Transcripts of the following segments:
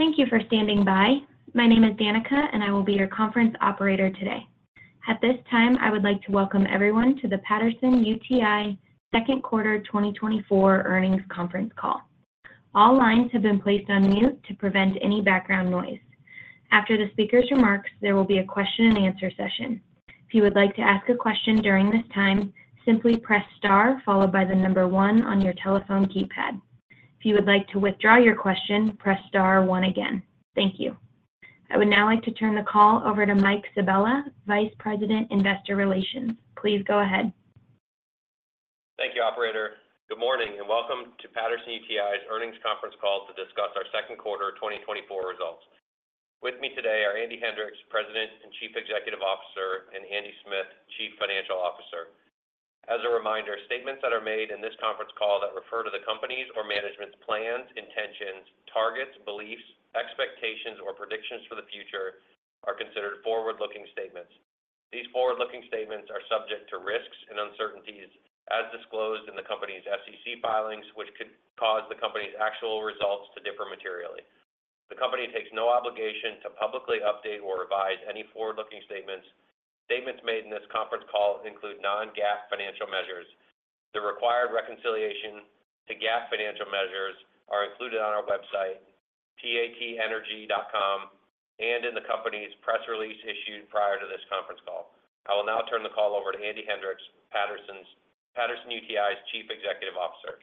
Thank you for standing by. My name is Danica, and I will be your conference operator today. At this time, I would like to welcome everyone to the Patterson-UTI Second Quarter 2024 Earnings Conference Call. All lines have been placed on mute to prevent any background noise. After the speaker's remarks, there will be a question-and-answer session. If you would like to ask a question during this time, simply press star followed by the number one on your telephone keypad. If you would like to withdraw your question, press star one again. Thank you. I would now like to turn the call over to Mike Sabella, Vice President, Investor Relations. Please go ahead. Thank you, operator. Good morning, and welcome to Patterson-UTI's Earnings Conference Call to discuss our second quarter 2024 results. With me today are Andy Hendricks, President and Chief Executive Officer, and Andy Smith, Chief Financial Officer. As a reminder, statements that are made in this conference call that refer to the company's or management's plans, intentions, targets, beliefs, expectations, or predictions for the future are considered forward-looking statements. These forward-looking statements are subject to risks and uncertainties as disclosed in the company's SEC filings, which could cause the company's actual results to differ materially. The company takes no obligation to publicly update or revise any forward-looking statements. Statements made in this conference call include non-GAAP financial measures. The required reconciliation to GAAP financial measures are included on our website, patenergy.com, and in the company's press release issued prior to this conference call. I will now turn the call over to Andy Hendricks, Patterson-UTI's Chief Executive Officer.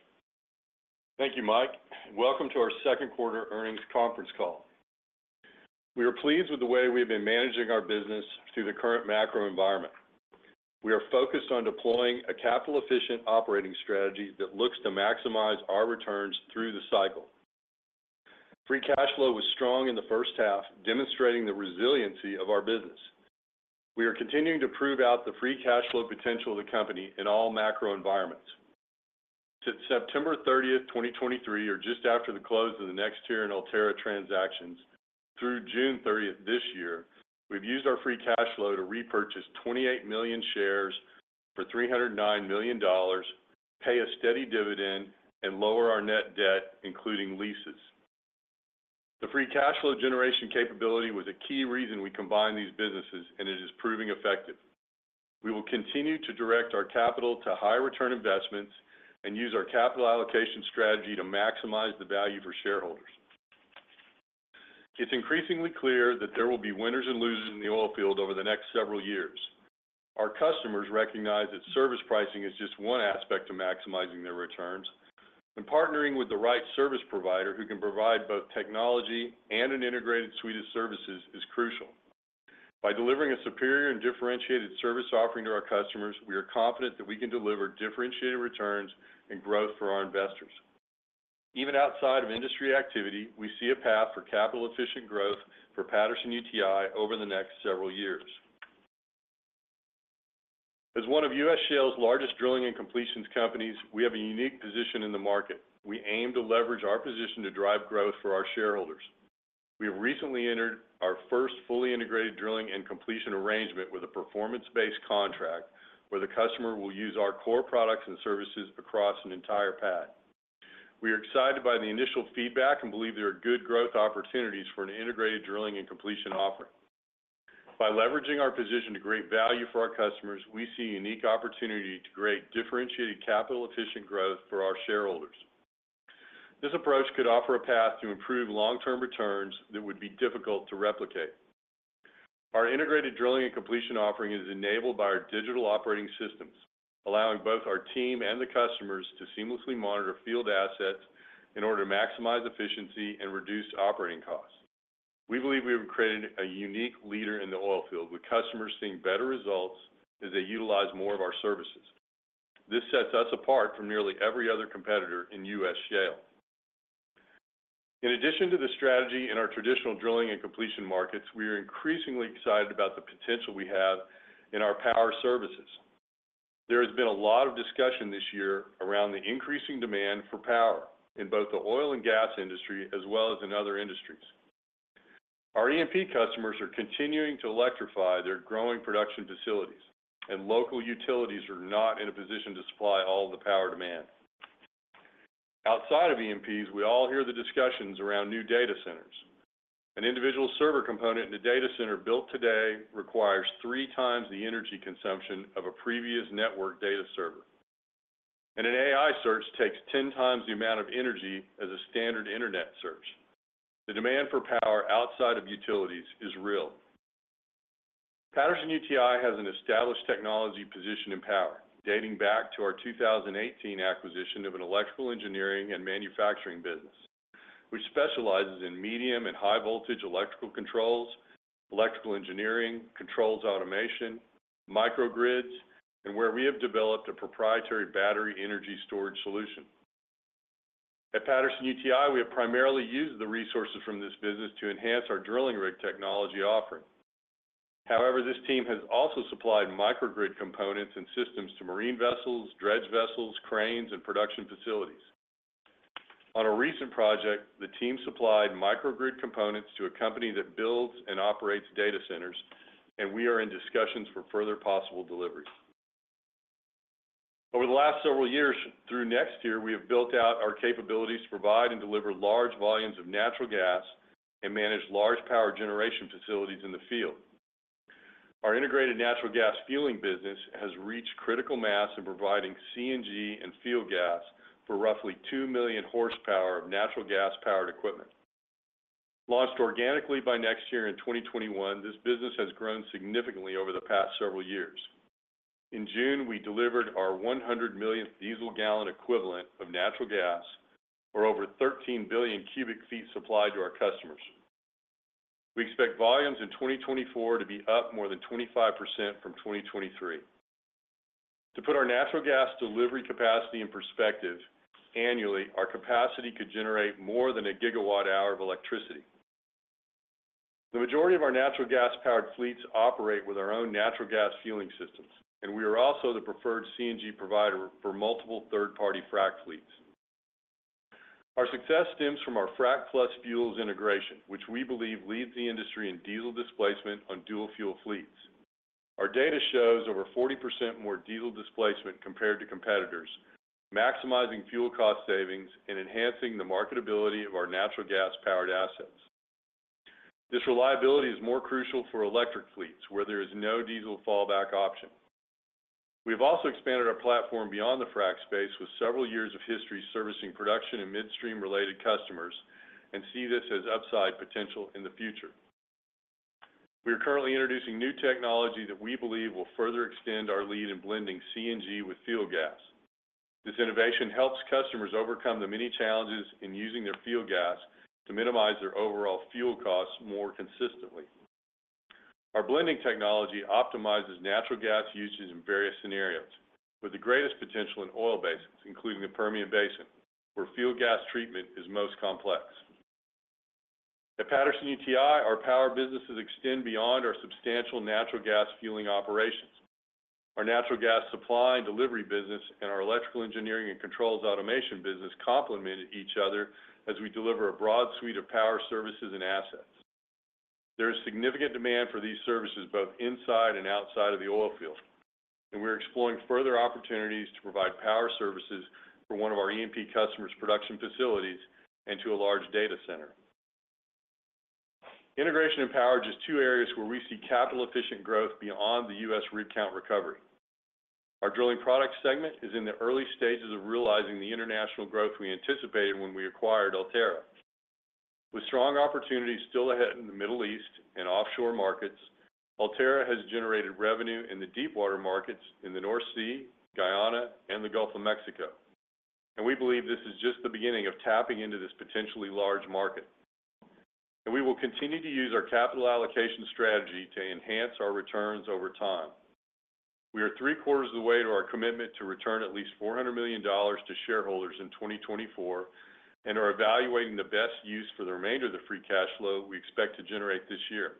Thank you, Mike. Welcome to our second quarter earnings conference call. We are pleased with the way we've been managing our business through the current macro environment. We are focused on deploying a capital-efficient operating strategy that looks to maximize our returns through the cycle. Free cash flow was strong in the first half, demonstrating the resiliency of our business. We are continuing to prove out the free cash flow potential of the company in all macro environments. Since September 30th, 2023, or just after the close of the NexTier and Ulterra transactions, through June 30th this year, we've used our free cash flow to repurchase 28 million shares for $309 million, pay a steady dividend, and lower our net debt, including leases. The free cash flow generation capability was a key reason we combined these businesses, and it is proving effective. We will continue to direct our capital to high return investments and use our capital allocation strategy to maximize the value for shareholders. It's increasingly clear that there will be winners and losers in the oil field over the next several years. Our customers recognize that service pricing is just one aspect to maximizing their returns, and partnering with the right service provider who can provide both technology and an integrated suite of services is crucial. By delivering a superior and differentiated service offering to our customers, we are confident that we can deliver differentiated returns and growth for our investors. Even outside of industry activity, we see a path for capital-efficient growth for Patterson-UTI over the next several years. As one of U.S. Shale's largest drilling and completions companies, we have a unique position in the market. We aim to leverage our position to drive growth for our shareholders. We have recently entered our first fully integrated drilling and completion arrangement with a performance-based contract, where the customer will use our core products and services across an entire pad. We are excited by the initial feedback and believe there are good growth opportunities for an integrated drilling and completion offering. By leveraging our position to create value for our customers, we see a unique opportunity to create differentiated capital-efficient growth for our shareholders. This approach could offer a path to improve long-term returns that would be difficult to replicate. Our integrated drilling and completion offering is enabled by our digital operating systems, allowing both our team and the customers to seamlessly monitor field assets in order to maximize efficiency and reduce operating costs. We believe we have created a unique leader in the oil field, with customers seeing better results as they utilize more of our services. This sets us apart from nearly every other competitor in U.S. Shale. In addition to the strategy in our traditional drilling and completion markets, we are increasingly excited about the potential we have in our power services. There has been a lot of discussion this year around the increasing demand for power in both the oil and gas industry, as well as in other industries. Our E&P customers are continuing to electrify their growing production facilities, and local utilities are not in a position to supply all the power demand. Outside of E&Ps, we all hear the discussions around new data centers. An individual server component in a data center built today requires 3x the energy consumption of a previous network data server. An AI search takes 10x the amount of energy as a standard internet search. The demand for power outside of utilities is real. Patterson-UTI has an established technology position in power, dating back to our 2018 acquisition of an electrical engineering and manufacturing business, which specializes in medium and high voltage electrical controls, electrical engineering, controls automation, microgrids, and where we have developed a proprietary battery energy storage solution. At Patterson-UTI, we have primarily used the resources from this business to enhance our drilling rig technology offering. However, this team has also supplied microgrid components and systems to marine vessels, dredge vessels, cranes, and production facilities. On a recent project, the team supplied microgrid components to a company that builds and operates data centers, and we are in discussions for further possible deliveries. Over the last several years through next year, we have built out our capabilities to provide and deliver large volumes of natural gas and manage large power generation facilities in the field. Our integrated natural gas fueling business has reached critical mass in providing CNG and field gas for roughly 2 million horsepower of natural gas-powered equipment. Launched organically by next year in 2021, this business has grown significantly over the past several years. In June, we delivered our 100 millionth diesel gallon equivalent of natural gas for over 13 billion cu ft supplied to our customers. We expect volumes in 2024 to be up more than 25% from 2023. To put our natural gas delivery capacity in perspective, annually, our capacity could generate more than 1 GWh of electricity. The majority of our natural gas-powered fleets operate with our own natural gas fueling systems, and we are also the preferred CNG provider for multiple third-party frac fleets. Our success stems from our frac plus fuels integration, which we believe leads the industry in diesel displacement on dual fuel fleets. Our data shows over 40% more diesel displacement compared to competitors, maximizing fuel cost savings and enhancing the marketability of our natural gas-powered assets. This reliability is more crucial for electric fleets, where there is no diesel fallback option. We've also expanded our platform beyond the frac space with several years of history servicing production and midstream-related customers, and see this as upside potential in the future. We are currently introducing new technology that we believe will further extend our lead in blending CNG with field gas. This innovation helps customers overcome the many challenges in using their field gas to minimize their overall fuel costs more consistently. Our blending technology optimizes natural gas usage in various scenarios, with the greatest potential in oil basins, including the Permian Basin, where field gas treatment is most complex. At Patterson-UTI, our power businesses extend beyond our substantial natural gas fueling operations. Our natural gas supply and delivery business and our electrical engineering and controls automation business complement each other as we deliver a broad suite of power services and assets. There is significant demand for these services both inside and outside of the oil field, and we are exploring further opportunities to provide power services for one of our E&P customer's production facilities and to a large data center. Integration and power are just two areas where we see capital-efficient growth beyond the U.S. rig count recovery. Our Drilling Products segment is in the early stages of realizing the international growth we anticipated when we acquired Ulterra. With strong opportunities still ahead in the Middle East and offshore markets, Ulterra has generated revenue in the deepwater markets in the North Sea, Guyana, and the Gulf of Mexico. We believe this is just the beginning of tapping into this potentially large market. We will continue to use our capital allocation strategy to enhance our returns over time. We are three-quarters of the way to our commitment to return at least $400 million to shareholders in 2024, and are evaluating the best use for the remainder of the free cash flow we expect to generate this year.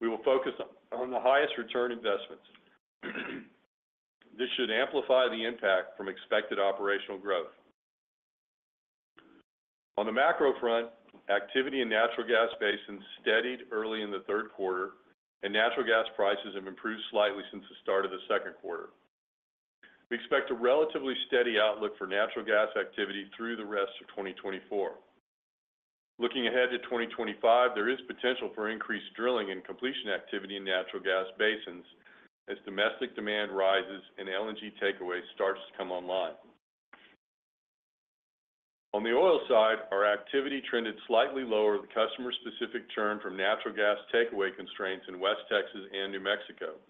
We will focus on the highest return investments. This should amplify the impact from expected operational growth. On the macro front, activity in natural gas basins steadied early in the third quarter, and natural gas prices have improved slightly since the start of the second quarter. We expect a relatively steady outlook for natural gas activity through the rest of 2024. Looking ahead to 2025, there is potential for increased drilling and completion activity in natural gas basins as domestic demand rises and LNG takeaway starts to come online. On the oil side, our activity trended slightly lower with customer-specific turn from natural gas takeaway constraints in West Texas and New Mexico,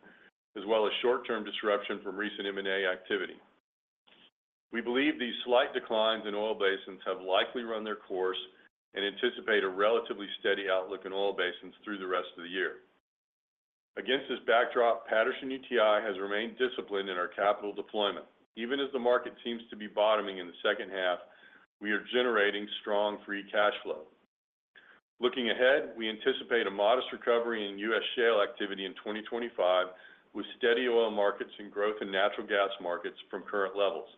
as well as short-term disruption from recent M&A activity. We believe these slight declines in oil basins have likely run their course and anticipate a relatively steady outlook in oil basins through the rest of the year. Against this backdrop, Patterson-UTI has remained disciplined in our capital deployment. Even as the market seems to be bottoming in the second half, we are generating strong free cash flow. Looking ahead, we anticipate a modest recovery in U.S. Shale activity in 2025, with steady oil markets and growth in natural gas markets from current levels.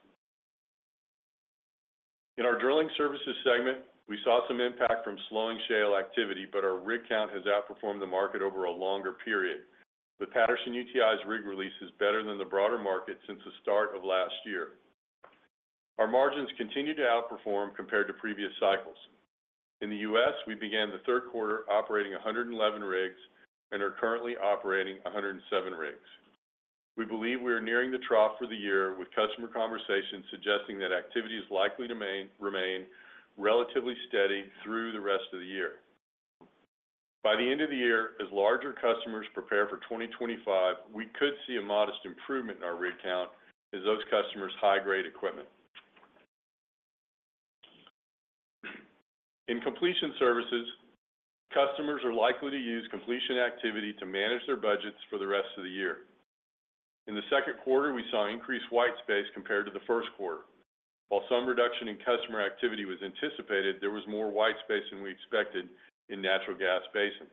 In our Drilling Services segment, we saw some impact from slowing Shale activity, but our rig count has outperformed the market over a longer period. But Patterson-UTI's rig release is better than the broader market since the start of last year. Our margins continue to outperform compared to previous cycles. In the U.S., we began the third quarter operating 111 rigs and are currently operating 107 rigs. We believe we are nearing the trough for the year, with customer conversations suggesting that activity is likely to remain relatively steady through the rest of the year. By the end of the year, as larger customers prepare for 2025, we could see a modest improvement in our rig count as those customers high-grade equipment. In Completion Services, customers are likely to use completion activity to manage their budgets for the rest of the year. In the second quarter, we saw increased white space compared to the first quarter. While some reduction in customer activity was anticipated, there was more white space than we expected in natural gas basins.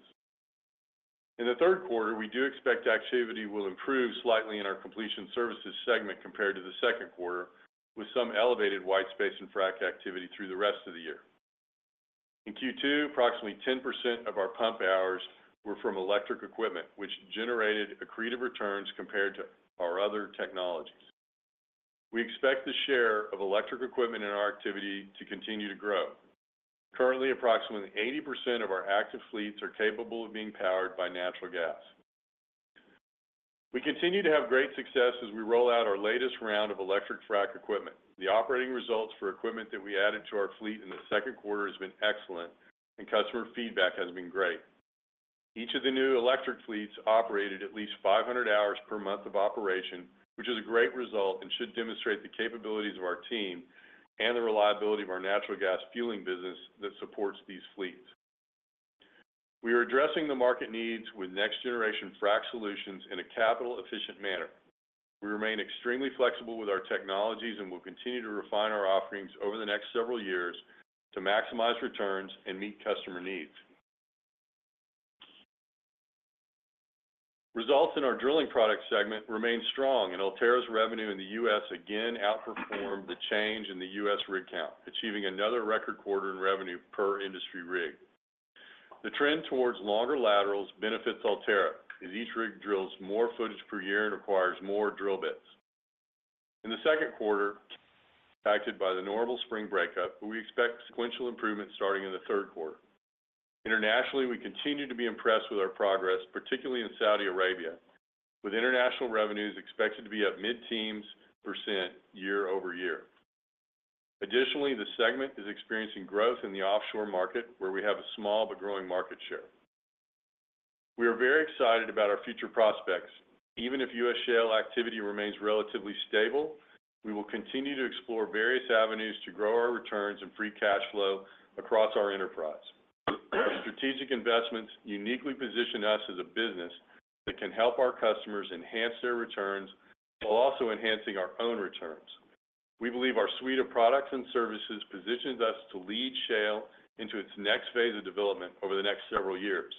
In the third quarter, we do expect activity will improve slightly in our Completion Services segment compared to the second quarter, with some elevated white space and frac activity through the rest of the year. In Q2, approximately 10% of our pump hours were from electric equipment, which generated accretive returns compared to our other technologies. We expect the share of electric equipment in our activity to continue to grow. Currently, approximately 80% of our active fleets are capable of being powered by natural gas. We continue to have great success as we roll out our latest round of electric frac equipment. The operating results for equipment that we added to our fleet in the second quarter has been excellent, and customer feedback has been great. Each of the new electric fleets operated at least 500 hours per month of operation, which is a great result and should demonstrate the capabilities of our team and the reliability of our natural gas fueling business that supports these fleets. We are addressing the market needs with next generation frac solutions in a capital efficient manner. We remain extremely flexible with our technologies and will continue to refine our offerings over the next several years to maximize returns and meet customer needs. Results in our Drilling Products segment remain strong, and Ulterra's revenue in the U.S. again outperformed the change in the U.S. rig count, achieving another record quarter in revenue per industry rig. The trend towards longer laterals benefits Ulterra, as each rig drills more footage per year and requires more drill bits. In the second quarter, impacted by the normal spring breakup, but we expect sequential improvement starting in the third quarter. Internationally, we continue to be impressed with our progress, particularly in Saudi Arabia, with international revenues expected to be up mid-teens percent year-over-year. Additionally, the segment is experiencing growth in the offshore market, where we have a small but growing market share. We are very excited about our future prospects. Even if U.S. Shale activity remains relatively stable, we will continue to explore various avenues to grow our returns and free cash flow across our enterprise. Our strategic investments uniquely position us as a business that can help our customers enhance their returns, while also enhancing our own returns. We believe our suite of products and services positions us to lead Shale into its next phase of development over the next several years.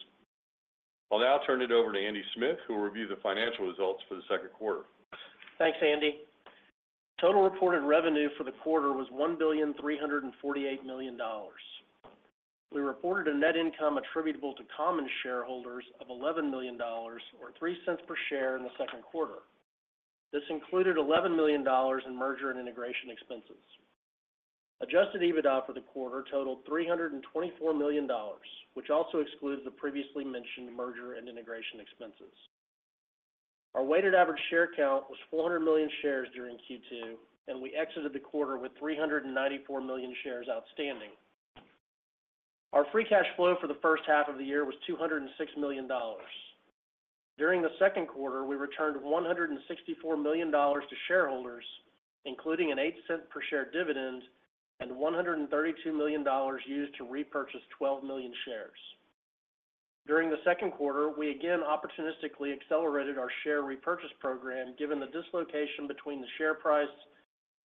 I'll now turn it over to Andy Smith, who will review the financial results for the second quarter. Thanks, Andy. Total reported revenue for the quarter was $1.348 billion. We reported a net income attributable to common shareholders of $11 million, or $0.03 per share in the second quarter. This included $11 million in merger and integration expenses. Adjusted EBITDA for the quarter totaled $324 million, which also excludes the previously mentioned merger and integration expenses. Our weighted average share count was 400 million shares during Q2, and we exited the quarter with 394 million shares outstanding. Our free cash flow for the first half of the year was $206 million. During the second quarter, we returned $164 million to shareholders, including an $0.08 per share dividend and $132 million used to repurchase 12 million shares. During the second quarter, we again opportunistically accelerated our share repurchase program, given the dislocation between the share price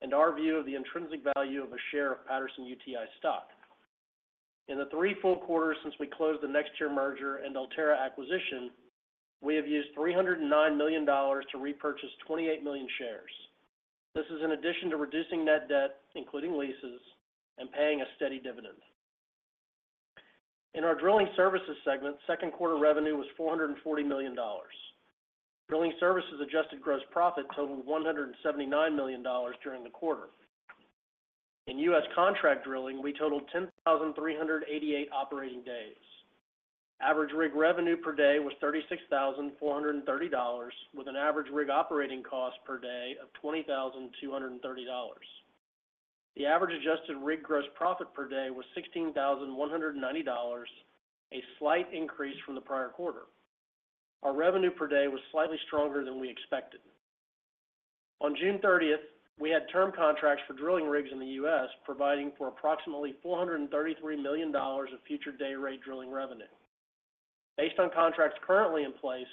and our view of the intrinsic value of a share of Patterson-UTI stock. In the three full quarters since we closed the NexTier merger and Ulterra acquisition, we have used $309 million to repurchase 28 million shares. This is in addition to reducing net debt, including leases and paying a steady dividend. In our Drilling Services segment, second quarter revenue was $440 million. Drilling Services adjusted gross profit totaled $179 million during the quarter. In U.S. Contract Drilling, we totaled 10,388 operating days. Average rig revenue per day was $36,430, with an average rig operating cost per day of $20,230. The average adjusted rig gross profit per day was $16,190, a slight increase from the prior quarter. Our revenue per day was slightly stronger than we expected. On June 30th, we had term contracts for drilling rigs in the U.S., providing for approximately $433 million of future day rate drilling revenue. Based on contracts currently in place,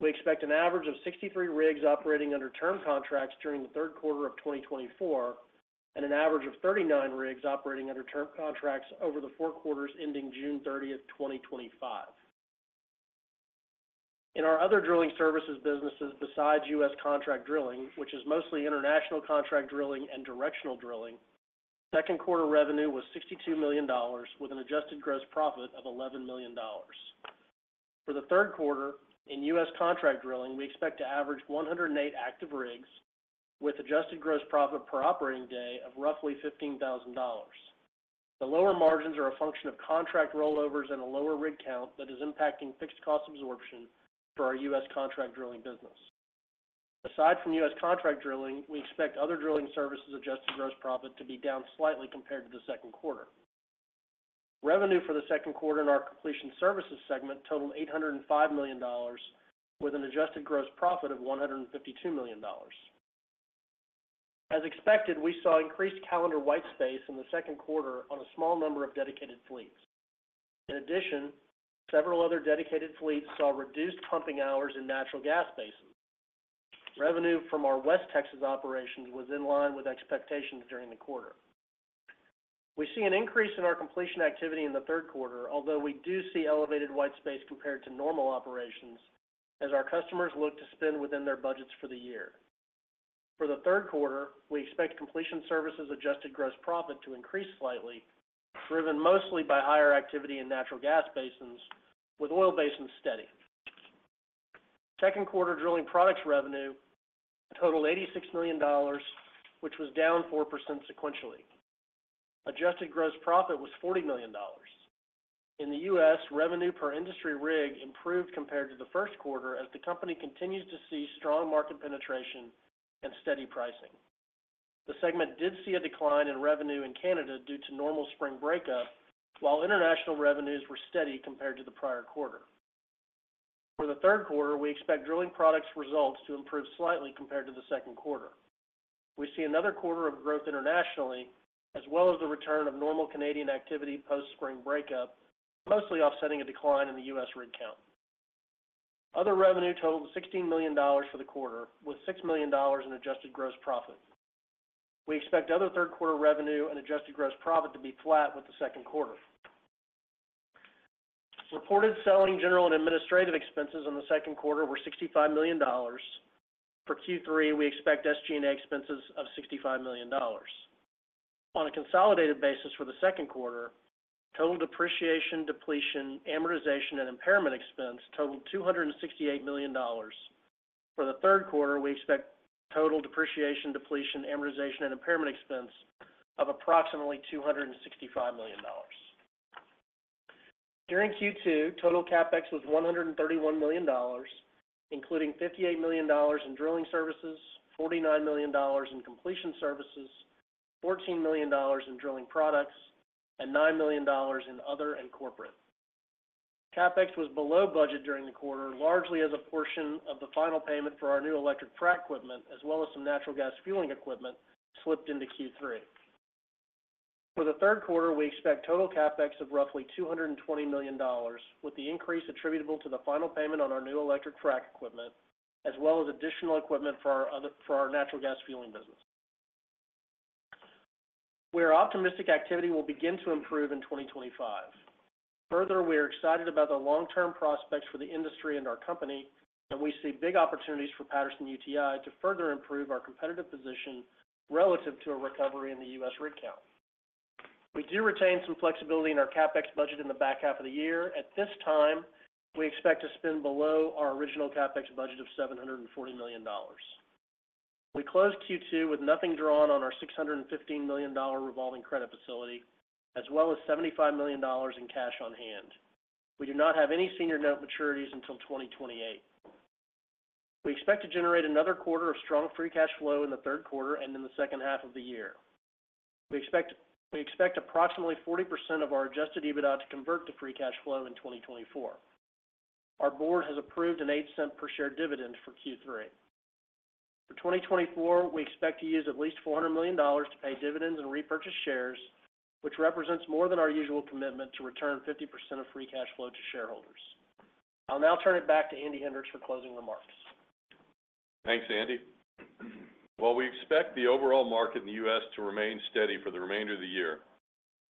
we expect an average of 63 rigs operating under term contracts during the third quarter of 2024, and an average of 39 rigs operating under term contracts over the four quarters ending June 30th, 2025. In our other drilling services businesses besides U.S. Contract Drilling, which is mostly international contract drilling and directional drilling, second quarter revenue was $62 million, with an adjusted gross profit of $11 million. For the third quarter, in U.S. Contract Drilling, we expect to average 108 active rigs with adjusted gross profit per operating day of roughly $15,000. The lower margins are a function of contract rollovers and a lower rig count that is impacting fixed cost absorption for our U.S. Contract Drilling business. Aside from U.S. Contract Drilling, we expect other drilling services adjusted gross profit to be down slightly compared to the second quarter. Revenue for the second quarter in our Completion Services segment totaled $805 million, with an adjusted gross profit of $152 million. As expected, we saw increased calendar white space in the second quarter on a small number of dedicated fleets. In addition, several other dedicated fleets saw reduced pumping hours in natural gas basins. Revenue from our West Texas operations was in line with expectations during the quarter. We see an increase in our completion activity in the third quarter, although we do see elevated white space compared to normal operations, as our customers look to spend within their budgets for the year. For the third quarter, we expect Completion Services adjusted gross profit to increase slightly, driven mostly by higher activity in natural gas basins, with oil basins steady. Second quarter Drilling Productss revenue totaled $86 million, which was down 4% sequentially. Adjusted gross profit was $40 million. In the U.S., revenue per industry rig improved compared to the first quarter, as the company continues to see strong market penetration and steady pricing. The segment did see a decline in revenue in Canada due to normal spring breakup, while international revenues were steady compared to the prior quarter. For the third quarter, we expect Drilling Productss results to improve slightly compared to the second quarter. We see another quarter of growth internationally, as well as the return of normal Canadian activity post spring breakup, mostly offsetting a decline in the U.S. rig count. Other revenue totaled $16 million for the quarter, with $6 million in adjusted gross profit. We expect other third quarter revenue and adjusted gross profit to be flat with the second quarter. Reported selling, general, and administrative expenses in the second quarter were $65 million. For Q3, we expect SG&A expenses of $65 million. On a consolidated basis for the second quarter, total depreciation, depletion, amortization, and impairment expense totaled $268 million. For the third quarter, we expect total depreciation, depletion, amortization, and impairment expense of approximately $265 million. During Q2, total CapEx was $131 million, including $58 million in drilling services, $49 million in Completion Services, $14 million in Drilling Productss, and $9 million in other and corporate. CapEx was below budget during the quarter, largely as a portion of the final payment for our new electric frac equipment, as well as some natural gas fueling equipment, slipped into Q3. For the third quarter, we expect total CapEx of roughly $220 million, with the increase attributable to the final payment on our new electric frac equipment, as well as additional equipment for our natural gas fueling business. We're optimistic activity will begin to improve in 2025. Further, we are excited about the long-term prospects for the industry and our company, and we see big opportunities for Patterson-UTI to further improve our competitive position relative to a recovery in the U.S. rig count. We do retain some flexibility in our CapEx budget in the back half of the year. At this time, we expect to spend below our original CapEx budget of $740 million. We closed Q2 with nothing drawn on our $615 million revolving credit facility, as well as $75 million in cash on hand. We do not have any senior note maturities until 2028. We expect to generate another quarter of strong free cash flow in the third quarter and in the second half of the year. We expect approximately 40% of our adjusted EBITDA to convert to free cash flow in 2024. Our board has approved an $0.08 per share dividend for Q3. For 2024, we expect to use at least $400 million to pay dividends and repurchase shares, which represents more than our usual commitment to return 50% of free cash flow to shareholders. I'll now turn it back to Andy Hendricks for closing remarks. Thanks, Andy. While we expect the overall market in the U.S. to remain steady for the remainder of the year,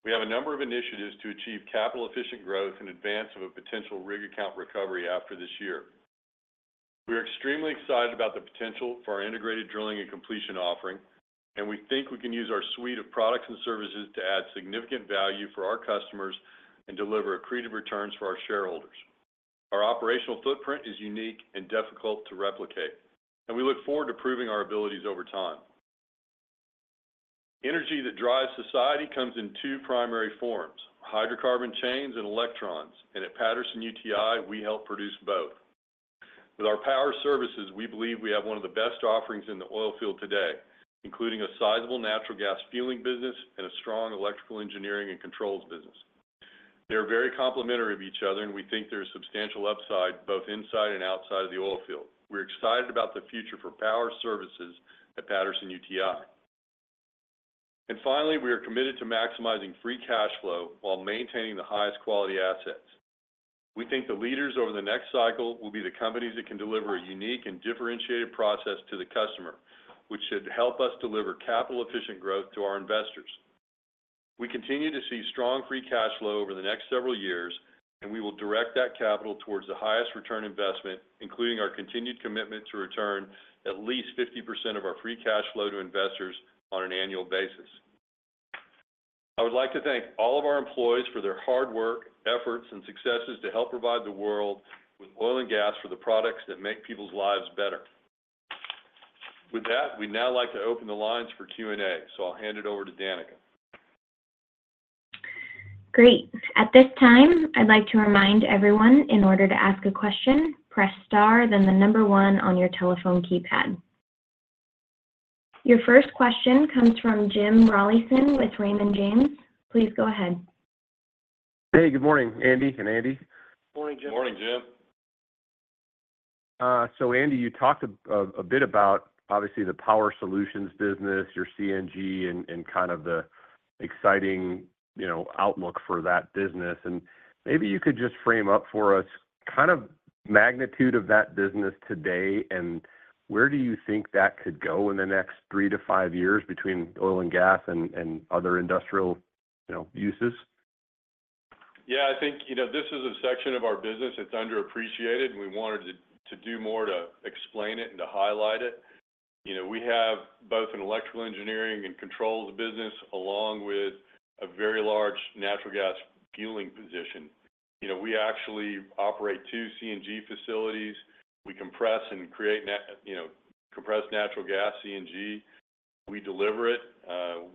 we have a number of initiatives to achieve capital-efficient growth in advance of a potential rig count recovery after this year. We are extremely excited about the potential for our integrated drilling and completion offering, and we think we can use our suite of products and services to add significant value for our customers and deliver accretive returns for our shareholders. Our operational footprint is unique and difficult to replicate, and we look forward to proving our abilities over time. Energy that drives society comes in two primary forms: hydrocarbon chains and electrons, and at Patterson-UTI, we help produce both. With our power services, we believe we have one of the best offerings in the oil field today, including a sizable natural gas fueling business and a strong electrical engineering and controls business. They are very complementary of each other, and we think there's substantial upside, both inside and outside of the oil field. We're excited about the future for power services at Patterson-UTI. And finally, we are committed to maximizing free cash flow while maintaining the highest quality assets. We think the leaders over the next cycle will be the companies that can deliver a unique and differentiated process to the customer, which should help us deliver capital-efficient growth to our investors. We continue to see strong free cash flow over the next several years, and we will direct that capital towards the highest return investment, including our continued commitment to return at least 50% of our free cash flow to investors on an annual basis. I would like to thank all of our employees for their hard work, efforts, and successes to help provide the world with oil and gas for the products that make people's lives better. With that, we'd now like to open the lines for Q&A, so I'll hand it over to Danica. Great. At this time, I'd like to remind everyone, in order to ask a question, press star, then the number one on your telephone keypad. Your first question comes from Jim Rollyson with Raymond James. Please go ahead. Hey, good morning, Andy and Andy. Morning, Jim. Morning, Jim. So Andy, you talked a bit about obviously the power solutions business, your CNG, and kind of the exciting, you know, outlook for that business. And maybe you could just frame up for us kind of magnitude of that business today, and where do you think that could go in the next three-five years between oil and gas and other industrial, you know, uses?... Yeah, I think, you know, this is a section of our business that's underappreciated, and we wanted to do more to explain it and to highlight it. You know, we have both an electrical engineering and controls business, along with a very large natural gas fueling position. You know, we actually operate two CNG facilities. We compress and create you know, compressed natural gas, CNG. We deliver it,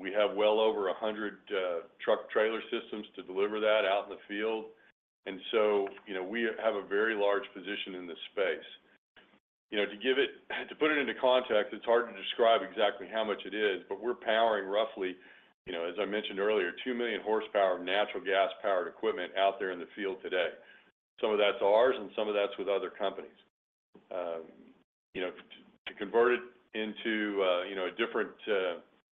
we have well over 100 truck trailer systems to deliver that out in the field. And so, you know, we have a very large position in this space. You know, to put it into context, it's hard to describe exactly how much it is, but we're powering roughly, you know, as I mentioned earlier, 2 million horsepower of natural gas-powered equipment out there in the field today. Some of that's ours, and some of that's with other companies. You know, to convert it into, you know, a different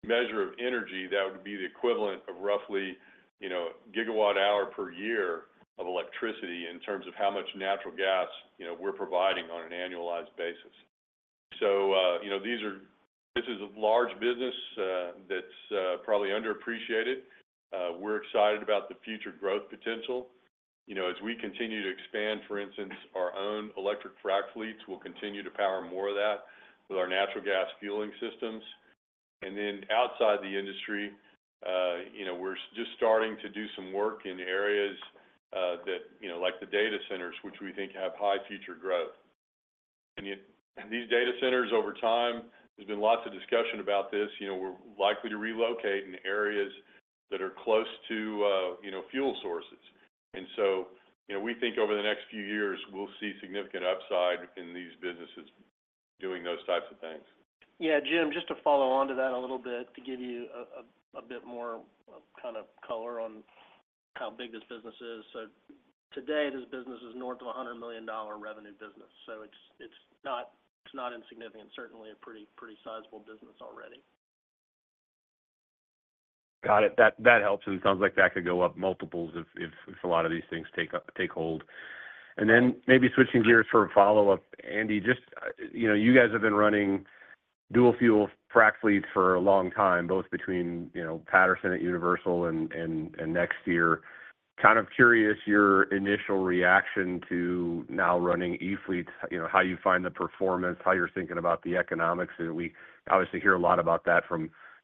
measure of energy, that would be the equivalent of roughly, you know, gigawatt hour per year of electricity in terms of how much natural gas, you know, we're providing on an annualized basis. So, you know, this is a large business that's probably underappreciated. We're excited about the future growth potential. You know, as we continue to expand, for instance, our own electric frac fleets, we'll continue to power more of that with our natural gas fueling systems. And then outside the industry, you know, we're just starting to do some work in areas that, you know, like the data centers, which we think have high future growth. And yet, these data centers, over time, there's been lots of discussion about this, you know, we're likely to relocate in areas that are close to, you know, fuel sources. And so, you know, we think over the next few years, we'll see significant upside in these businesses doing those types of things. Yeah, Jim, just to follow on to that a little bit, to give you a bit more color on how big this business is. So today, this business is north of a $100 million revenue business, so it's not insignificant. Certainly, a pretty sizable business already. Got it. That helps, and it sounds like that could go up multiples if a lot of these things take hold. Then maybe switching gears for a follow-up, Andy, just, you know, you guys have been running dual-fuel frac fleets for a long time, both between, you know, Patterson at Universal and NexTier. Kind of curious, your initial reaction to now running e-fleets, you know, how you find the performance, how you're thinking about the economics. We obviously hear a lot about that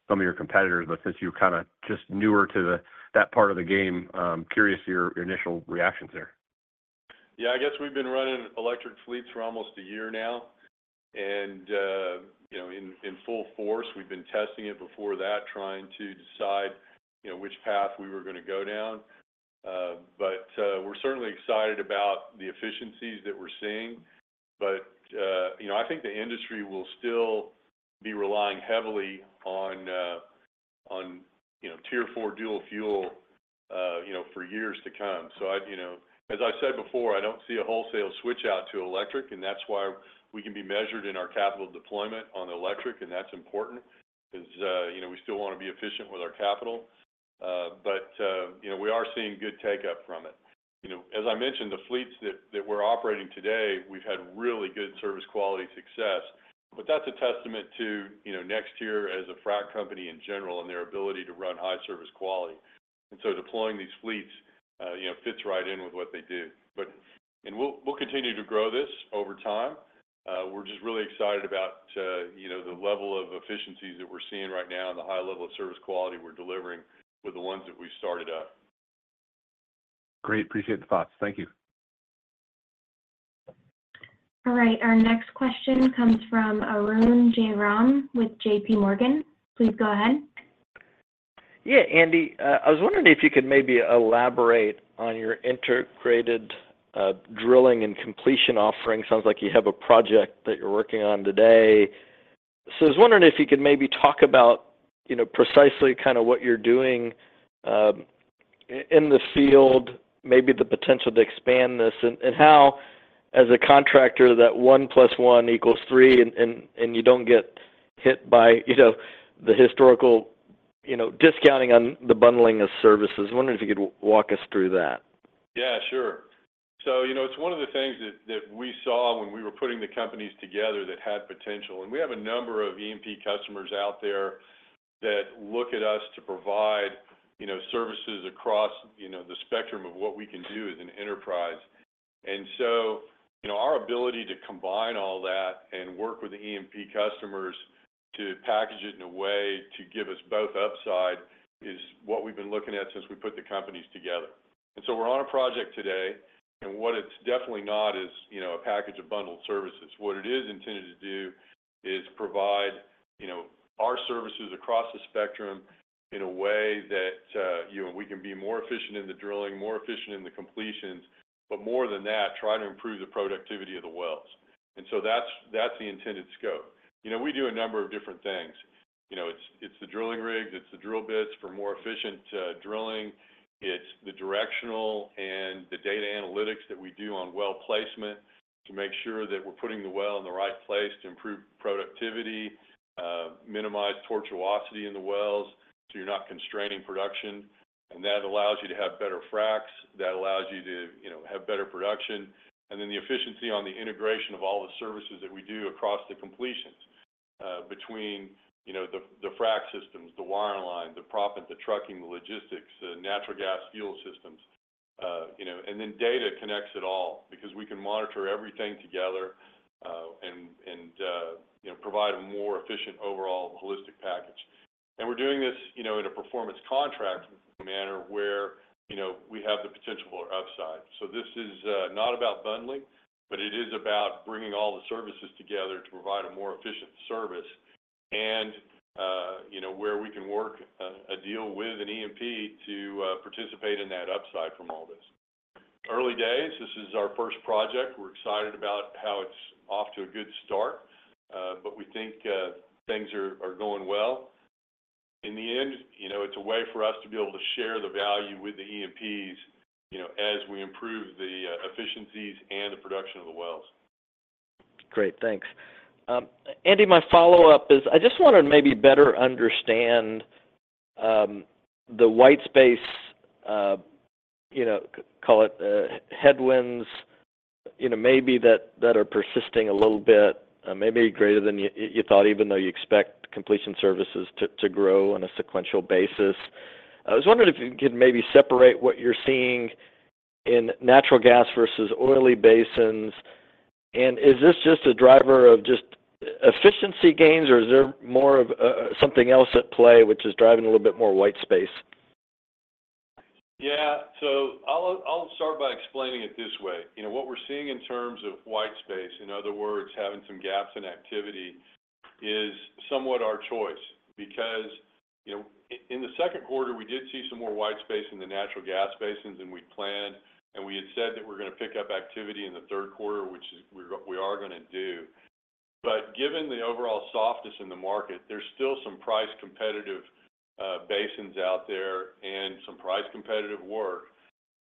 from some of your competitors, but since you're kinda just newer to that part of the game, curious your initial reactions there. Yeah, I guess we've been running electric fleets for almost a year now, and, you know, in full force. We've been testing it before that, trying to decide, you know, which path we were gonna go down. But, we're certainly excited about the efficiencies that we're seeing. But, you know, I think the industry will still be relying heavily on, on, you know, Tier 4 dual fuel, you know, for years to come. So I, you know... As I said before, I don't see a wholesale switch out to electric, and that's why we can be measured in our capital deployment on electric, and that's important 'cause, you know, we still wanna be efficient with our capital. But, you know, we are seeing good take up from it. You know, as I mentioned, the fleets that we're operating today, we've had really good service quality success, but that's a testament to, you know, NexTier as a frac company in general and their ability to run high service quality. And so deploying these fleets, you know, fits right in with what they do. And we'll continue to grow this over time. We're just really excited about, you know, the level of efficiencies that we're seeing right now and the high level of service quality we're delivering with the ones that we've started up. Great. Appreciate the thoughts. Thank you. All right, our next question comes from Arun Jayaram with JPMorgan. Please go ahead. Yeah, Andy, I was wondering if you could maybe elaborate on your integrated drilling and completion offering. Sounds like you have a project that you're working on today. So I was wondering if you could maybe talk about, you know, precisely kinda what you're doing in the field, maybe the potential to expand this, and you don't get hit by, you know, the historical, you know, discounting on the bundling of services. I was wondering if you could walk us through that. Yeah, sure. So, you know, it's one of the things that, that we saw when we were putting the companies together that had potential. And we have a number of E&P customers out there that look at us to provide, you know, services across, you know, the spectrum of what we can do as an enterprise. And so, you know, our ability to combine all that and work with the E&P customers to package it in a way to give us both upside, is what we've been looking at since we put the companies together. And so we're on a project today, and what it's definitely not is, you know, a package of bundled services. What it is intended to do is provide, you know, our services across the spectrum in a way that, you know, we can be more efficient in the drilling, more efficient in the completions, but more than that, try to improve the productivity of the wells. And so that's, that's the intended scope. You know, we do a number of different things. You know, it's, it's the drilling rigs, it's the drill bits for more efficient, drilling. It's the directional and the data analytics that we do on well placement to make sure that we're putting the well in the right place to improve productivity, minimize tortuosity in the wells, so you're not constraining production, and that allows you to have better fracs. That allows-... Have better production, and then the efficiency on the integration of all the services that we do across the completions, between, you know, the frac systems, the wireline, the proppant, the trucking, the logistics, the natural gas fuel systems. You know, and then data connects it all, because we can monitor everything together, and you know, provide a more efficient overall holistic package. And we're doing this, you know, in a performance contract manner, where, you know, we have the potential for upside. So this is not about bundling, but it is about bringing all the services together to provide a more efficient service and, you know, where we can work a deal with an E&P to participate in that upside from all this. Early days, this is our first project. We're excited about how it's off to a good start, but we think things are going well. In the end, you know, it's a way for us to be able to share the value with the E&Ps, you know, as we improve the efficiencies and the production of the wells. Great, thanks. Andy, my follow-up is, I just want to maybe better understand, the white space, you know, call it, headwinds, you know, maybe that, that are persisting a little bit, maybe greater than you, you thought, even though you expect Completion Services to, to grow on a sequential basis. I was wondering if you can maybe separate what you're seeing in natural gas versus oily basins, and is this just a driver of just efficiency gains, or is there more of, something else at play which is driving a little bit more white space? Yeah. So I'll, I'll start by explaining it this way. You know, what we're seeing in terms of white space, in other words, having some gaps in activity, is somewhat our choice. Because, you know, in the second quarter, we did see some more white space in the natural gas basins than we'd planned, and we had said that we're gonna pick up activity in the third quarter, which is we're, we are gonna do. But given the overall softness in the market, there's still some price-competitive basins out there and some price-competitive work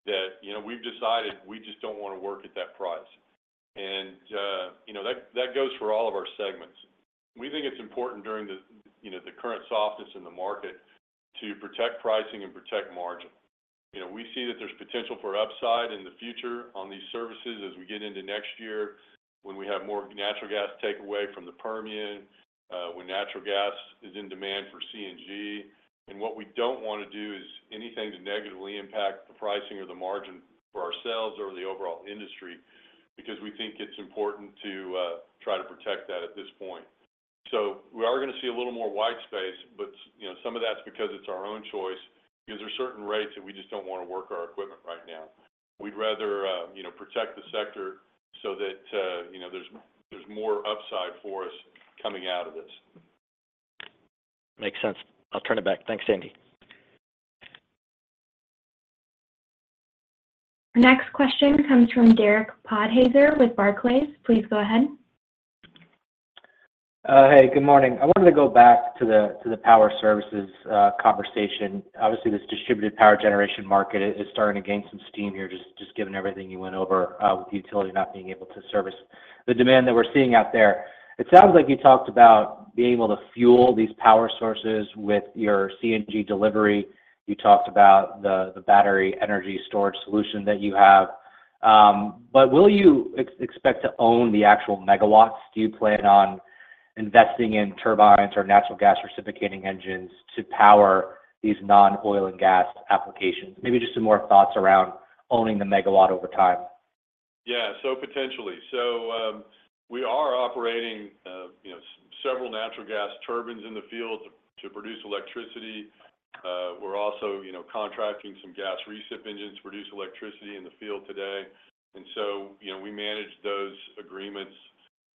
that, you know, we've decided we just don't wanna work at that price. And, you know, that, that goes for all of our segments. We think it's important during the, you know, the current softness in the market to protect pricing and protect margin. You know, we see that there's potential for upside in the future on these services as we get into next year, when we have more natural gas takeaway from the Permian, when natural gas is in demand for CNG. And what we don't wanna do is anything to negatively impact the pricing or the margin for ourselves or the overall industry, because we think it's important to try to protect that at this point. So we are gonna see a little more white space, but you know, some of that's because it's our own choice, because there are certain rates that we just don't wanna work our equipment right now. We'd rather you know, protect the sector so that you know, there's more upside for us coming out of this. Makes sense. I'll turn it back. Thanks, Andy. The next question comes from Derek Podhaizer with Barclays. Please go ahead. Hey, good morning. I wanted to go back to the power services conversation. Obviously, this distributed power generation market is starting to gain some steam here, just given everything you went over with utility not being able to service the demand that we're seeing out there. It sounds like you talked about being able to fuel these power sources with your CNG delivery. You talked about the battery energy storage solution that you have. But will you expect to own the actual megawatts? Do you plan on investing in turbines or natural gas reciprocating engines to power these non-oil and gas applications? Maybe just some more thoughts around owning the megawatt over time. Yeah. So potentially. So, we are operating, you know, several natural gas turbines in the field to produce electricity. We're also, you know, contracting some gas recip engines to produce electricity in the field today. And so, you know, we manage those agreements,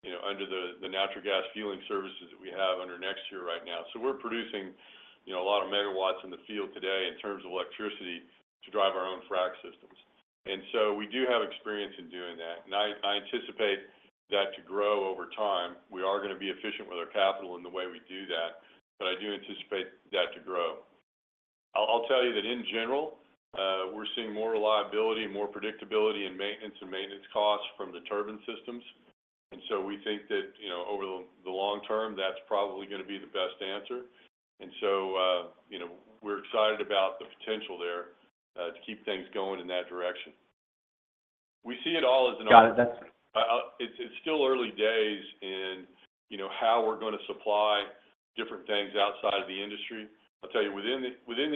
you know, under the natural gas fueling services that we have under NexTier right now. So we're producing, you know, a lot of megawatts in the field today in terms of electricity to drive our own frac systems. And so we do have experience in doing that. And I anticipate that to grow over time. We are gonna be efficient with our capital in the way we do that, but I do anticipate that to grow. I'll tell you that in general, we're seeing more reliability and more predictability in maintenance and maintenance costs from the turbine systems, and so we think that, you know, over the long term, that's probably gonna be the best answer. And so, you know, we're excited about the potential there to keep things going in that direction. We see it all as an op- Got it. It's still early days in, you know, how we're gonna supply different things outside of the industry. I'll tell you, within the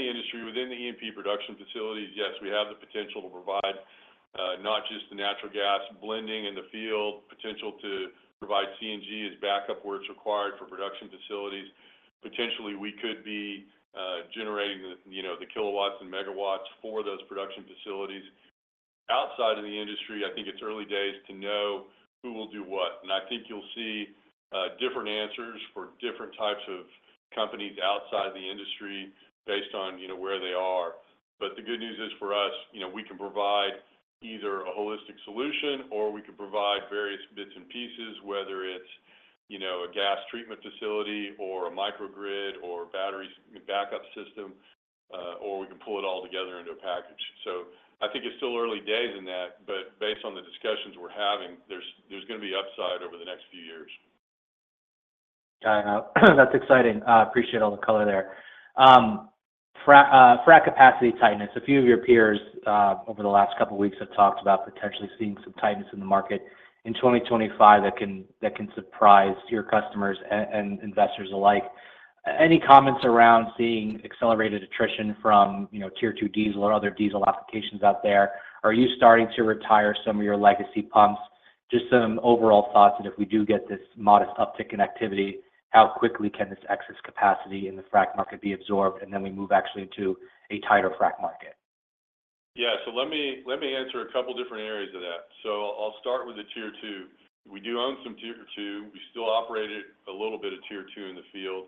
industry, within the E&P production facilities, yes, we have the potential to provide, not just the natural gas blending in the field, potential to provide CNG as backup where it's required for production facilities. Potentially, we could be generating the, you know, the kilowatts and megawatts for those production facilities. Outside of the industry, I think it's early days to know who will do what, and I think you'll see different answers for different types of companies outside the industry based on, you know, where they are. But the good news is for us, you know, we can provide either a holistic solution, or we can provide various bits and pieces, whether it's, you know, a gas treatment facility, or a microgrid, or battery backup system, or we can pull it all together into a package. So I think it's still early days in that, but based on the discussions we're having, there's gonna be upside over the next few years.... Got it. That's exciting. Appreciate all the color there. Frac capacity tightness. A few of your peers over the last couple of weeks have talked about potentially seeing some tightness in the market in 2025 that can surprise your customers and investors alike. Any comments around seeing accelerated attrition from, you know, Tier 2 diesel or other diesel applications out there? Are you starting to retire some of your legacy pumps? Just some overall thoughts, and if we do get this modest uptick in activity, how quickly can this excess capacity in the frac market be absorbed, and then we move actually into a tighter frac market? Yeah. So let me, let me answer a couple different areas of that. So I'll start with the Tier 2. We do own some Tier 2. We still operate it, a little bit of Tier 2 in the field.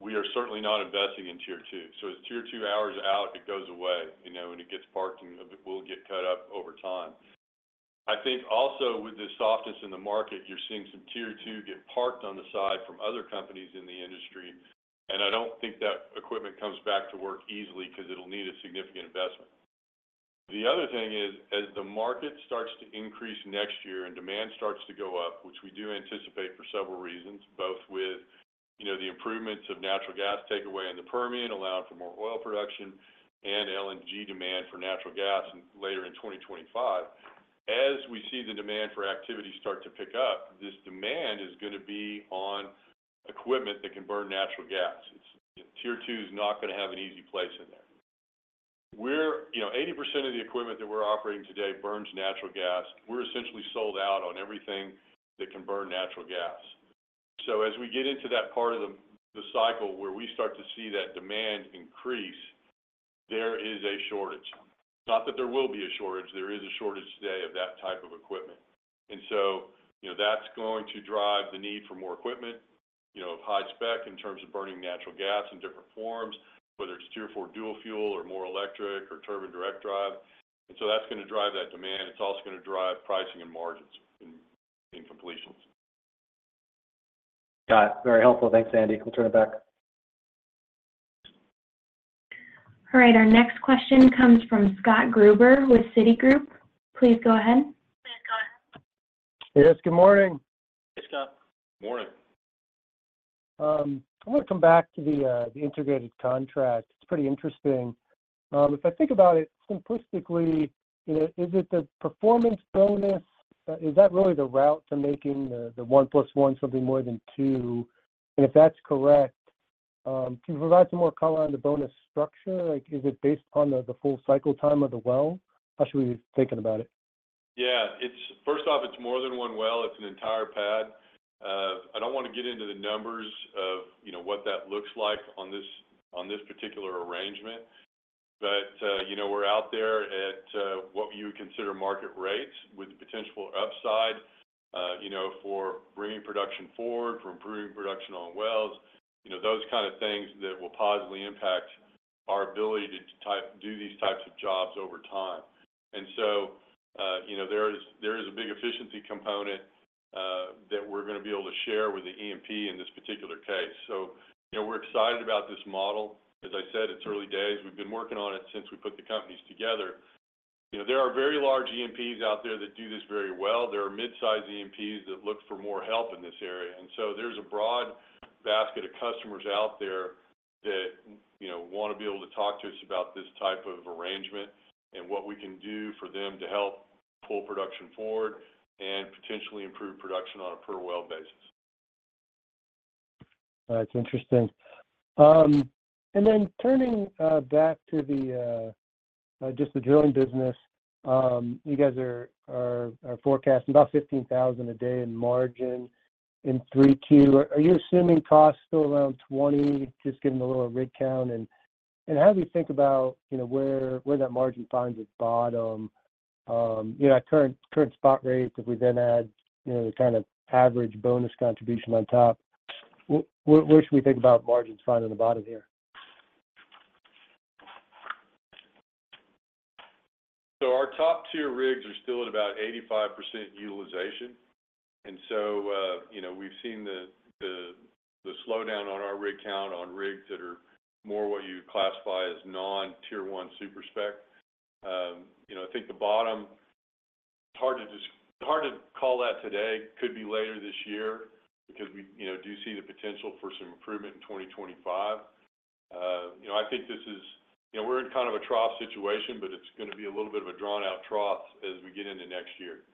We are certainly not investing in Tier 2. So as Tier 2 hours out, it goes away, you know, and it gets parked, and it will get cut up over time. I think also with the softness in the market, you're seeing some Tier 2 get parked on the side from other companies in the industry, and I don't think that equipment comes back to work easily because it'll need a significant investment. The other thing is, as the market starts to increase next year and demand starts to go up, which we do anticipate for several reasons, both with, you know, the improvements of natural gas takeaway in the Permian, allowing for more oil production and LNG demand for natural gas, and later in 2025. As we see the demand for activity start to pick up, this demand is gonna be on equipment that can burn natural gas. Tier 2 is not gonna have an easy place in there. We're-- You know, 80% of the equipment that we're operating today burns natural gas. We're essentially sold out on everything that can burn natural gas. So as we get into that part of the cycle where we start to see that demand increase, there is a shortage. Not that there will be a shortage, there is a shortage today of that type of equipment. And so, you know, that's going to drive the need for more equipment, you know, high spec in terms of burning natural gas in different forms, whether it's tier four dual fuel, or more electric, or turbine direct drive. And so that's gonna drive that demand. It's also gonna drive pricing and margins in, in completions. Got it. Very helpful. Thanks, Andy. We'll turn it back. All right, our next question comes from Scott Gruber with Citigroup. Please go ahead. Please, go ahead. Yes, good morning. Hey, Scott. Morning. I want to come back to the, the integrated contract. It's pretty interesting. If I think about it simplistically, you know, is it the performance bonus? Is that really the route to making the, the one plus one something more than two? And if that's correct, can you provide some more color on the bonus structure? Like, is it based on the, the full cycle time of the well? How should we be thinking about it? Yeah, it's first off, it's more than one well, it's an entire pad. I don't want to get into the numbers of, you know, what that looks like on this, on this particular arrangement. But, you know, we're out there at what you would consider market rates with the potential upside, you know, for bringing production forward, for improving production on wells, you know, those kind of things that will positively impact our ability to do these types of jobs over time. And so, you know, there is a big efficiency component that we're gonna be able to share with the E&P in this particular case. So, you know, we're excited about this model. As I said, it's early days. We've been working on it since we put the companies together. You know, there are very large E&Ps out there that do this very well. There are mid-sized E&Ps that look for more help in this area. And so there's a broad basket of customers out there that, you know, wanna be able to talk to us about this type of arrangement and what we can do for them to help pull production forward and potentially improve production on a per well basis. That's interesting. And then turning back to just the drilling business. You guys are forecasting about $15,000 a day in margin in 3Q. Are you assuming costs still around $20, just given the little rig count? And how do we think about, you know, where that margin finds its bottom, you know, at current spot rates, if we then add, you know, the kind of average bonus contribution on top, where should we think about margins finding the bottom here? So our top tier rigs are still at about 85% utilization. And so, you know, we've seen the slowdown on our rig count on rigs that are more what you classify as non-Tier 1 Super-Spec. You know, I think the bottom, it's hard to just—hard to call that today. Could be later this year because we, you know, do see the potential for some improvement in 2025. You know, I think this is—you know, we're in kind of a trough situation, but it's gonna be a little bit of a drawn-out trough as we get into next year.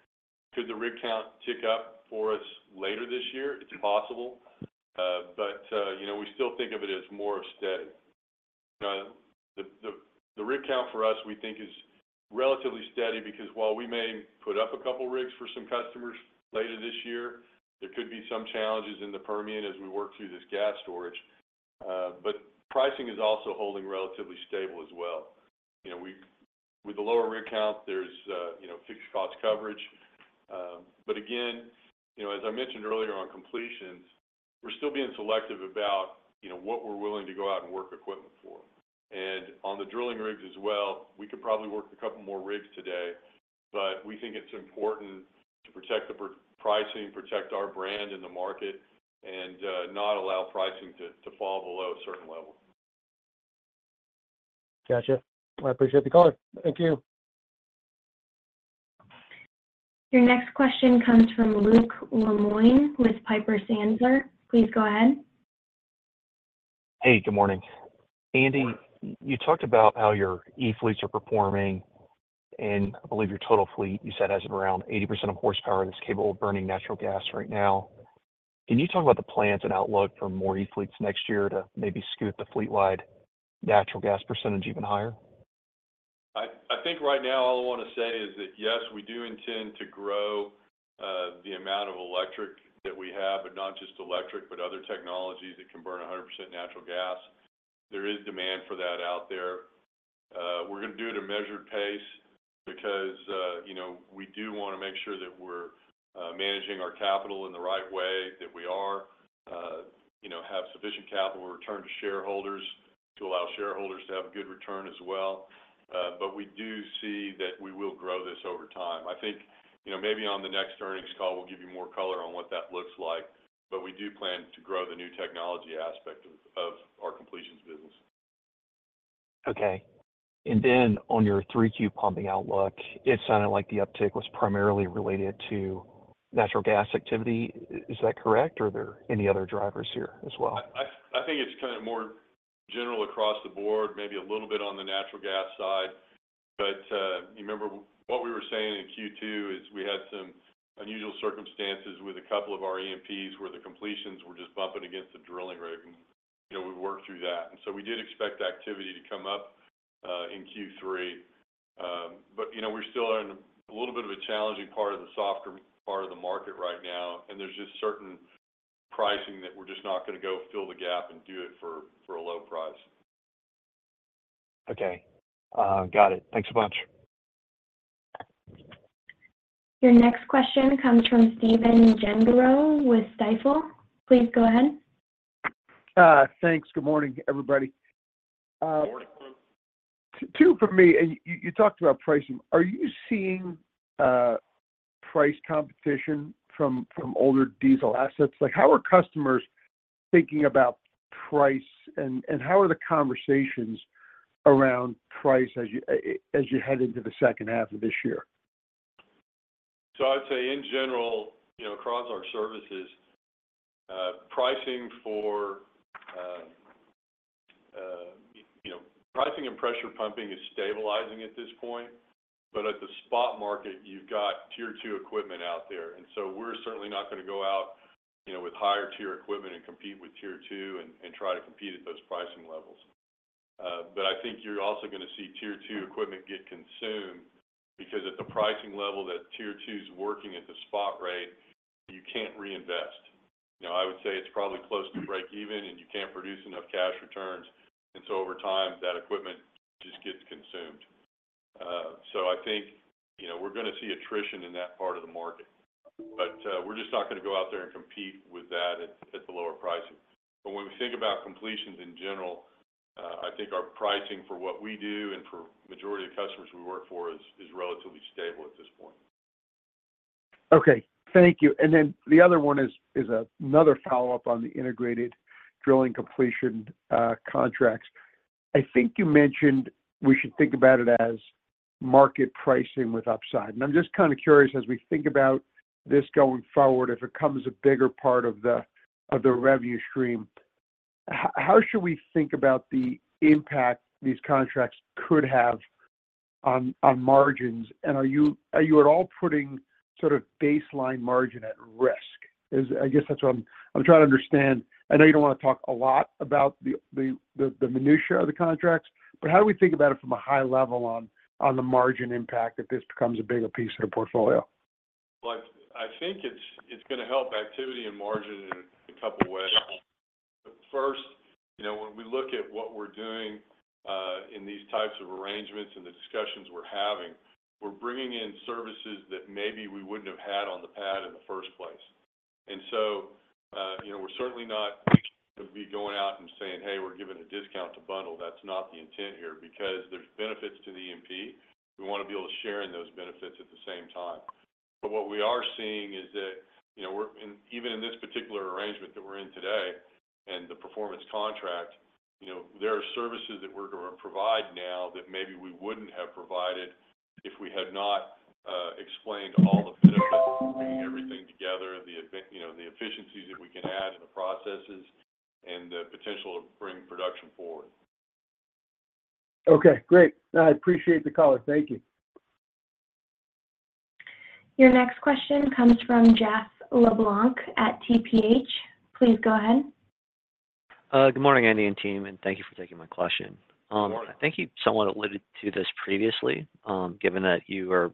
Could the rig count tick up for us later this year? It's possible, but, you know, we still think of it as more steady. The rig count for us, we think is relatively steady, because while we may put up a couple rigs for some customers later this year, there could be some challenges in the Permian as we work through this gas storage. But pricing is also holding relatively stable as well. You know, we with the lower rig count, there's, you know, fixed cost coverage. But again, you know, as I mentioned earlier on completions, we're still being selective about, you know, what we're willing to go out and work equipment for. And on the drilling rigs as well, we could probably work a couple more rigs today, but we think it's important to protect the pricing, protect our brand in the market, and not allow pricing to fall below-... Gotcha. I appreciate the call. Thank you. Your next question comes from Luke Lemoine with Piper Sandler. Please go ahead. Hey, good morning. Andy, you talked about how your e-fleets are performing, and I believe your total fleet, you said, has around 80% of horsepower that's capable of burning natural gas right now. Can you talk about the plans and outlook for more e-fleets next year to maybe scoot the fleet-wide natural gas percentage even higher? I think right now all I want to say is that, yes, we do intend to grow the amount of electric that we have, but not just electric, but other technologies that can burn 100% natural gas. There is demand for that out there. We're gonna do it at a measured pace because, you know, we do wanna make sure that we're, you know, have sufficient capital return to shareholders to allow shareholders to have a good return as well. But we do see that we will grow this over time. I think, you know, maybe on the next earnings call, we'll give you more color on what that looks like, but we do plan to grow the new technology aspect of our completions business. Okay. And then on your 3Q pumping outlook, it sounded like the uptick was primarily related to natural gas activity. Is that correct, or are there any other drivers here as well? I think it's kind of more general across the board, maybe a little bit on the natural gas side. But you remember what we were saying in Q2 is we had some unusual circumstances with a couple of our E&Ps, where the completions were just bumping against the drilling rig, and, you know, we worked through that. And so we did expect activity to come up in Q3. But, you know, we're still in a little bit of a challenging part of the softer part of the market right now, and there's just certain pricing that we're just not gonna go fill the gap and do it for a low price. Okay. Got it. Thanks a bunch. Your next question comes from Stephen Gengaro with Stifel. Please go ahead. Thanks. Good morning, everybody. Good morning. two for me, and you talked about pricing. Are you seeing price competition from older diesel assets? Like, how are customers thinking about price, and how are the conversations around price as you head into the second half of this year? I'd say in general, you know, across our services, you know, pricing and pressure pumping is stabilizing at this point, but at the spot market, you've got Tier 2 equipment out there. So we're certainly not gonna go out, you know, with higher-tier equipment and compete with Tier 2 and try to compete at those pricing levels. But I think you're also gonna see Tier 2 equipment get consumed, because at the pricing level, that Tier 2's working at the spot rate, you can't reinvest. You know, I would say it's probably close to breakeven, and you can't produce enough cash returns, and so over time, that equipment just gets consumed. So I think, you know, we're gonna see attrition in that part of the market, but we're just not gonna go out there and compete with that at the lower pricing. But when we think about completions in general, I think our pricing for what we do and for majority of customers we work for is relatively stable at this point. Okay. Thank you. And then the other one is another follow-up on the integrated drilling completion contracts. I think you mentioned we should think about it as market pricing with upside. And I'm just kind of curious, as we think about this going forward, if it becomes a bigger part of the revenue stream, how should we think about the impact these contracts could have on margins? And are you-- are you at all putting sort of baseline margin at risk? I guess that's what I'm trying to understand. I know you don't want to talk a lot about the minutiae of the contracts, but how do we think about it from a high level on the margin impact, if this becomes a bigger piece of the portfolio? Well, I think it's gonna help activity and margin in a couple ways. First, you know, when we look at what we're doing in these types of arrangements and the discussions we're having, we're bringing in services that maybe we wouldn't have had on the pad in the first place. And so, you know, we're certainly not gonna be going out and saying, "Hey, we're giving a discount to bundle." That's not the intent here, because there's benefits to the E&P. We wanna be able to share in those benefits at the same time. But what we are seeing is that, you know, we're... Even in this particular arrangement that we're in today and the performance contract, you know, there are services that we're gonna provide now that maybe we wouldn't have provided if we had not explained all the benefits of bringing everything together, you know, the efficiencies that we can add in the processes and the potential to bring production forward. Okay, great. I appreciate the call. Thank you. Your next question comes from Jeff LeBlanc at TPH. Please go ahead. Good morning, Andy and team, and thank you for taking my question. Good morning. I think you somewhat alluded to this previously, given that you are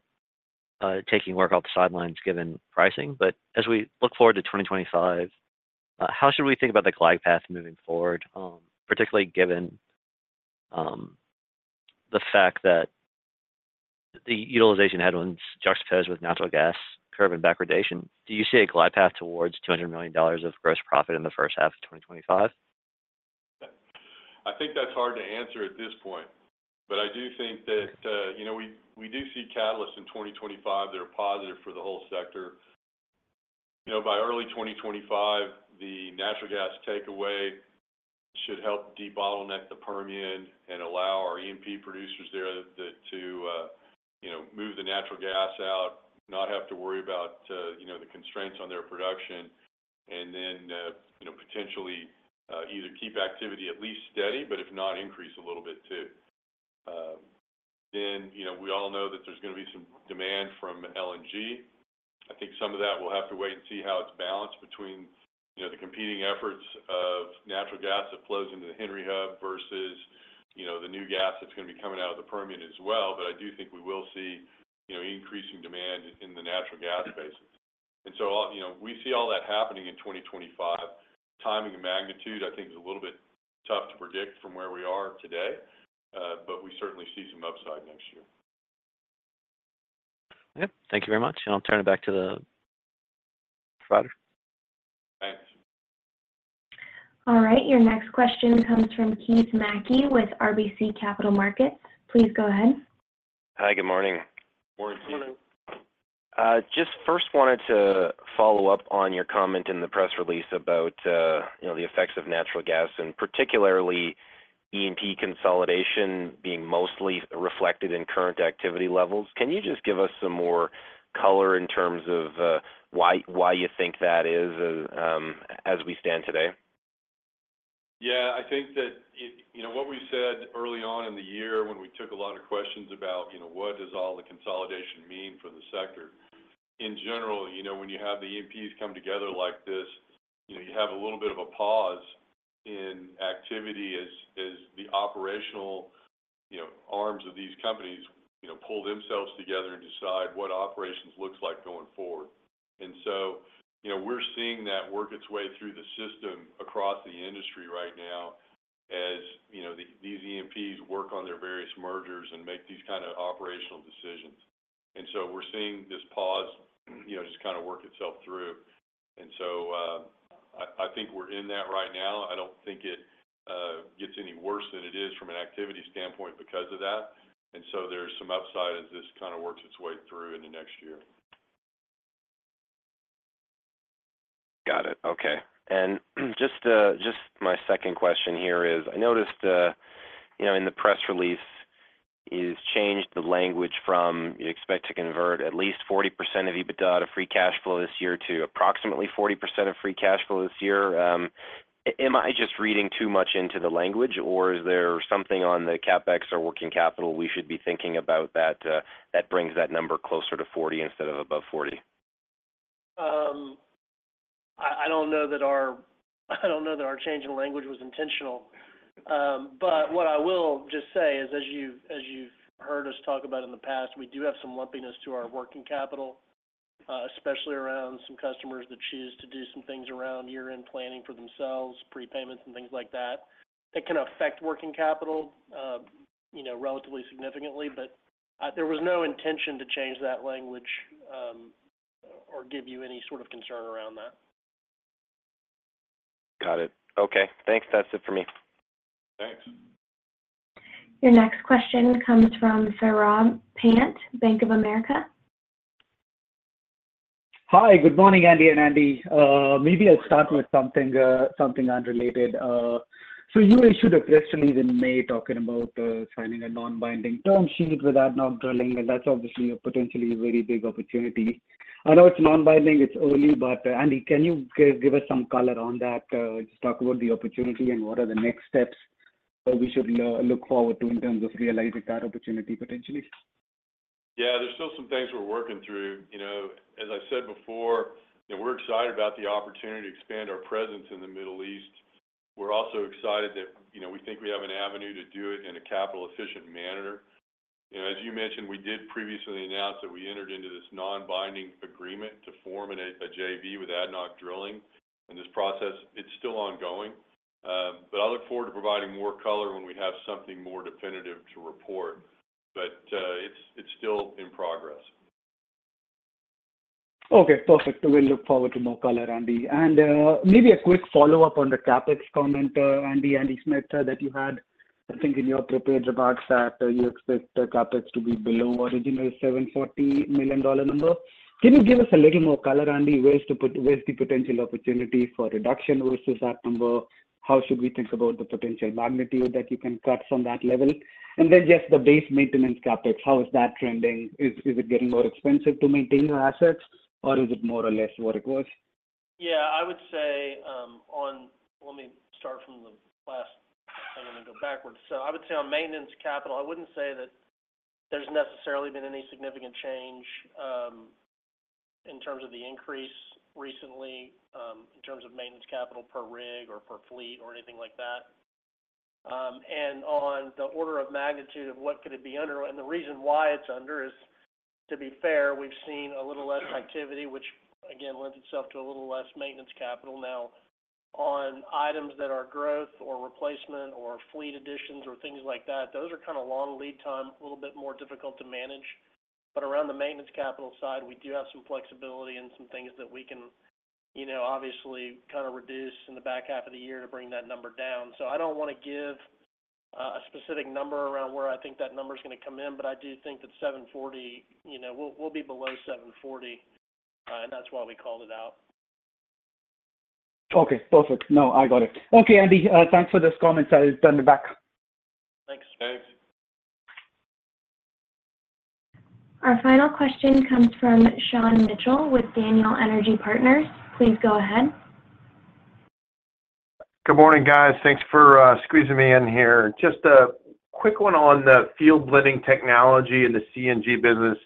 taking work off the sidelines, given pricing. But as we look forward to 2025, how should we think about the glide path moving forward, particularly given the fact that the utilization headwinds juxtaposed with natural gas curve and backwardation? Do you see a glide path towards $200 million of gross profit in the first half of 2025? I think that's hard to answer at this point, but I do think that, you know, we, we do see catalysts in 2025 that are positive for the whole sector. You know, by early 2025, the natural gas takeaway should help debottleneck the Permian and allow our E&P producers there that to, you know, move the natural gas out, not have to worry about, you know, the constraints on their production, and then, you know, potentially, either keep activity at least steady, but if not, increase a little bit, too. Then, you know, we all know that there's gonna be some demand from LNG. I think some of that we'll have to wait and see how it's balanced between, you know, the competing efforts of natural gas that flows into the Henry Hub versus, you know, the new gas that's gonna be coming out of the Permian as well. But I do think we will see, you know, increasing demand in the natural gas basin. And so all-- you know, we see all that happening in 2025. Timing and magnitude, I think is a little bit tough to predict from where we are today, but we certainly see some upside next year. Okay. Thank you very much, and I'll turn it back to the provider. Thanks. All right. Your next question comes from Keith Mackey with RBC Capital Markets. Please go ahead. Hi, good morning. Morning. Good morning. Just first wanted to follow up on your comment in the press release about, you know, the effects of natural gas, and particularly E&P consolidation being mostly reflected in current activity levels. Can you just give us some more color in terms of, why, why you think that is, as we stand today? Yeah, I think that it... You know, what we said early on in the year when we took a lot of questions about, you know, what does all the consolidation mean for the sector? In general, you know, when you have the E&Ps come together like this, you know, you have a little bit of a pause in activity as the operational, you know, arms of these companies, you know, pull themselves together and decide what operations looks like going forward. And so, you know, we're seeing that work its way through the system across the industry right now, as, you know, these E&Ps work on their various mergers and make these kind of operational decisions. And so we're seeing this pause, you know, just kind of work itself through. And so, I think we're in that right now. I don't think it gets any worse than it is from an activity standpoint because of that, and so there's some upside as this kind of works its way through in the next year. Got it. Okay. And just, just my second question here is, I noticed, you know, in the press release, you've changed the language from, "You expect to convert at least 40% of EBITDA to free cash flow this year," to, "Approximately 40% of free cash flow this year." Am I just reading too much into the language, or is there something on the CapEx or working capital we should be thinking about that, that brings that number closer to 40 instead of above 40? I don't know that our change in language was intentional. But what I will just say is, as you've heard us talk about in the past, we do have some lumpiness to our working capital, especially around some customers that choose to do some things around year-end planning for themselves, prepayments and things like that. It can affect working capital, you know, relatively significantly, but there was no intention to change that language, or give you any sort of concern around that. Got it. Okay. Thanks. That's it for me. Thanks. Your next question comes from Saurabh Pant, Bank of America. Hi, good morning, Andy and Andy. Maybe I'll start with something, something unrelated. So you issued a press release in May talking about signing a non-binding term sheet with ADNOC Drilling, and that's obviously a potentially very big opportunity. I know it's non-binding, it's early, but Andy, can you give, give us some color on that? Just talk about the opportunity and what are the next steps that we should look forward to in terms of realizing that opportunity potentially. Yeah, there's still some things we're working through. You know, as I said before, that we're excited about the opportunity to expand our presence in the Middle East. We're also excited that, you know, we think we have an avenue to do it in a capital-efficient manner. And as you mentioned, we did previously announce that we entered into this non-binding agreement to form a JV with ADNOC Drilling. And this process, it's still ongoing, but I look forward to providing more color when we have something more definitive to report. But it's still in progress. Okay, perfect. We'll look forward to more color, Andy. And maybe a quick follow-up on the CapEx comment, Andy, Andy Smith, that you had, I think, in your prepared remarks, that you expect the CapEx to be below original $740 million number. Can you give us a little more color, Andy? Where's the potential opportunity for reduction versus that number? How should we think about the potential magnitude that you can cut from that level? And then just the base maintenance CapEx, how is that trending? Is it getting more expensive to maintain your assets, or is it more or less what it was? Yeah, I would say, Let me start from the last, and then I go backwards. So I would say on maintenance capital, I wouldn't say that there's necessarily been any significant change, in terms of the increase recently, in terms of maintenance capital per rig or per fleet or anything like that. And on the order of magnitude of what could it be under? And the reason why it's under is, to be fair, we've seen a little less activity, which again, lends itself to a little less maintenance capital. Now, on items that are growth or replacement or fleet additions or things like that, those are kind of long lead time, a little bit more difficult to manage. But around the maintenance capital side, we do have some flexibility and some things that we can, you know, obviously kind of reduce in the back half of the year to bring that number down. So I don't wanna give a specific number around where I think that number's gonna come in, but I do think that $740, you know, we'll be below $740, and that's why we called it out. Okay, perfect. No, I got it. Okay, Andy, thanks for those comments. I'll turn it back. Thanks, guys. Our final question comes from Sean Mitchell with Daniel Energy Partners. Please go ahead. Good morning, guys. Thanks for squeezing me in here. Just a quick one on the field blending technology and the CNG business.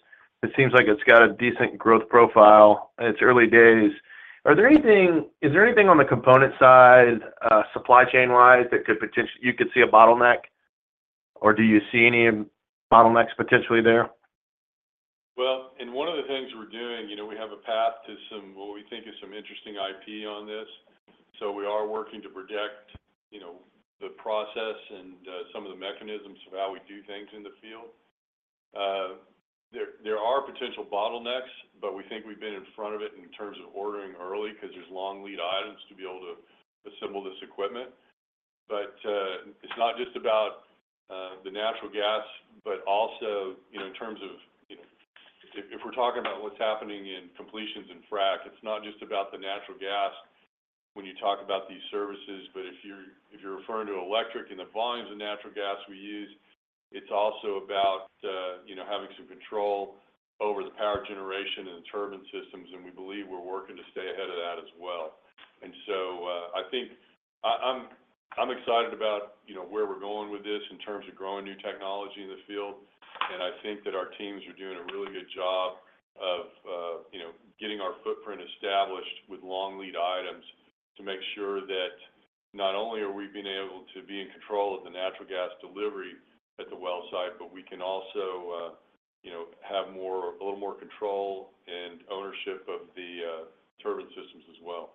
It seems like it's got a decent growth profile in its early days. Is there anything on the component side, supply chain-wise, that you could see a bottleneck? Or do you see any bottlenecks potentially there? Well, and one of the things we're doing, you know, we have a path to some, what we think is some interesting IP on this. So we are working to protect, you know, the process and some of the mechanisms of how we do things in the field. There are potential bottlenecks, but we think we've been in front of it in terms of ordering early 'cause there's long lead items to be able to assemble this equipment. But it's not just about the natural gas, but also, you know, in terms of, you know, if we're talking about what's happening in completions and frac, it's not just about the natural gas when you talk about these services, but if you're referring to electric and the volumes of natural gas we use, it's also about, you know, having some control over the power generation and the turbine systems, and we believe we're working to stay ahead of that as well. And so I think I'm excited about, you know, where we're going with this in terms of growing new technology in the field. I think that our teams are doing a really good job of, you know, getting our footprint established with long lead items to make sure that not only are we being able to be in control of the natural gas delivery at the well site, but we can also, you know, have more, a little more control and ownership of the, turbine systems as well.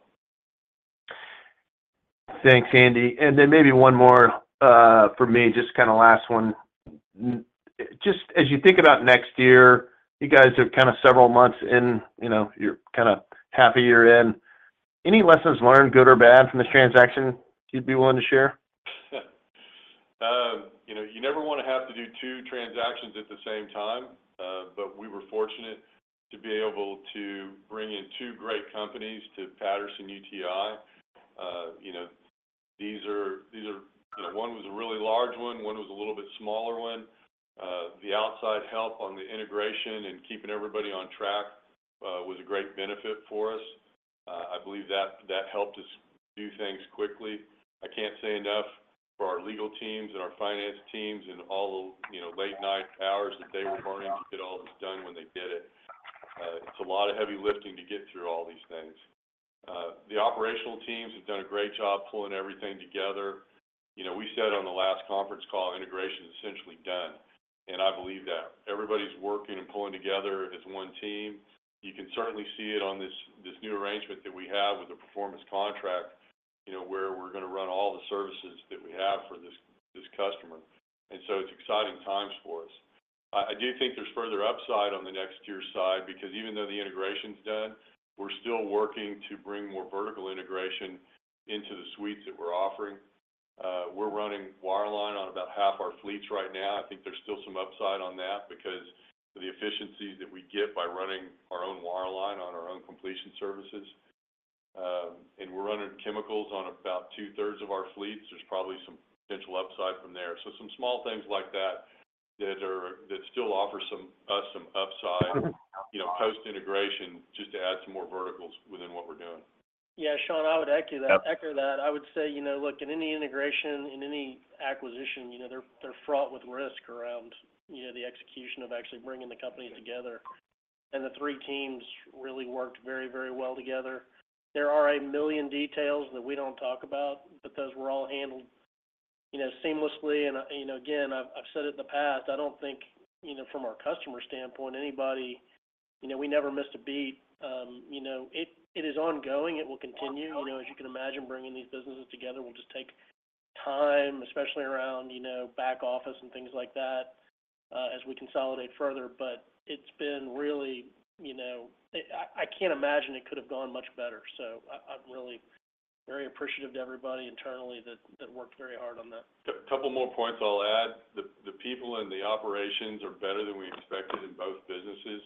Thanks, Andy. And then maybe one more for me, just kinda last one. Just as you think about next year, you guys are kind of several months in, you know, you're kinda half a year in. Any lessons learned, good or bad, from the transaction you'd be willing to share? You know, you never wanna have to do two transactions at the same time, but we were fortunate to be able to bring in two great companies to Patterson-UTI. You know, these are, these are... You know, one was a really large one, one was a little bit smaller one. The outside help on the integration and keeping everybody on track was a great benefit for us. I believe that, that helped us do things quickly. I can't say enough for our legal teams and our finance teams and all the, you know, late night hours that they were burning to get all this done when they did it. It's a lot of heavy lifting to get through all these things. The operational teams have done a great job pulling everything together. You know, we said on the last conference call, integration is essentially done, and I believe that. Everybody's working and pulling together as one team. You can certainly see it on this new arrangement that we have with the performance contract, you know, where we're gonna run all the services that we have for this customer. And so it's exciting times for us. I do think there's further upside on the NexTier side, because even though the integration's done, we're still working to bring more vertical integration into the suites that we're offering. We're running wireline on about half our fleets right now. I think there's still some upside on that because the efficiencies that we get by running our own wireline on our own Completion Services, and we're running chemicals on about two-thirds of our fleets, there's probably some potential upside from there. Some small things like that that still offer some upside. Mm-hmm... you know, post-integration, just to add some more verticals within what we're doing. Yeah, Sean, I would echo that, echo that. I would say, you know, look, in any integration, in any acquisition, you know, they're, they're fraught with risk around, you know, the execution of actually bringing the company together. And the three teams really worked very, very well together. There are a million details that we don't talk about because we're all handled, you know, seamlessly. And, you know, again, I've, I've said it in the past, I don't think, you know, from our customer standpoint, anybody, you know, we never missed a beat. You know, it, it is ongoing. It will continue. You know, as you can imagine, bringing these businesses together will just take time, especially around, you know, back office and things like that, as we consolidate further. But it's been really, you know... I can't imagine it could have gone much better, so I'm really very appreciative to everybody internally that worked very hard on that. A couple more points I'll add. The people in the operations are better than we expected in both businesses,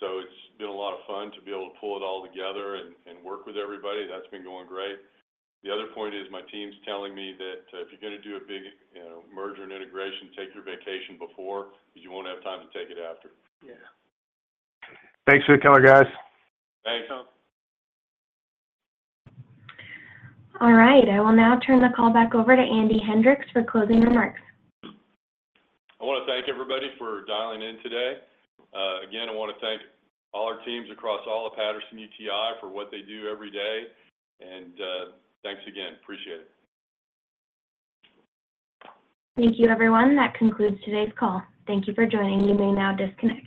so it's been a lot of fun to be able to pull it all together and work with everybody. That's been going great. The other point is, my team's telling me that if you're gonna do a big, you know, merger and integration, take your vacation before, because you won't have time to take it after. Yeah. Thanks for the color, guys. Thanks, Sean. All right, I will now turn the call back over to Andy Hendricks for closing remarks. I wanna thank everybody for dialing in today. Again, I wanna thank all our teams across all of Patterson-UTI for what they do every day, and thanks again. Appreciate it. Thank you, everyone. That concludes today's call. Thank you for joining. You may now disconnect.